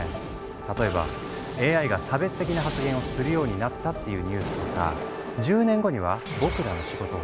例えばＡＩが差別的な発言をするようになったっていうニュースとか１０年後には僕らの仕事を奪うとか